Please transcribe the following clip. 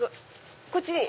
こっちに。